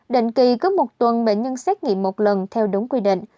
định kỳ có một tuần bệnh nhân xét nghiệm một lần theo đúng quy định